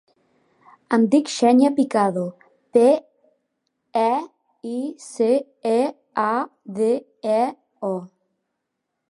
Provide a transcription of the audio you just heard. Em dic Xènia Picado: pe, i, ce, a, de, o.